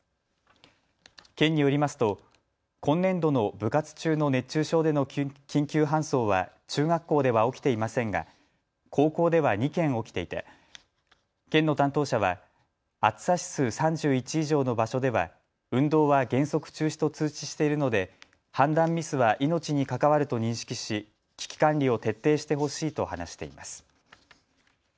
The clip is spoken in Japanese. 県によりますと今年度の部活中の熱中症での緊急搬送は中学校では起きていませんが高校では２件起きていて県の担当者は暑さ指数３１以上の場所では運動は原則中止と通知しているので判断ミスは命に関わると認識し危機管理を徹底してほしいと話しています。